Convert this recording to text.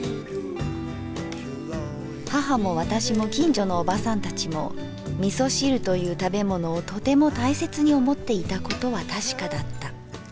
「母も私も近所のおばさんたちも味噌汁という食物をとても大切に思っていたことはたしかだった。